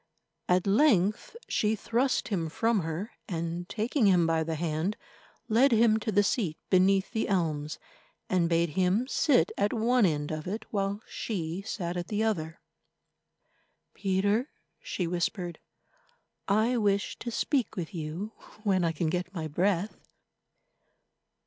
At length she thrust him from her and, taking him by the hand, led him to the seat beneath the elms, and bade him sit at one end of it, while she sat at the other. "Peter," she whispered, "I wish to speak with you when I can get my breath.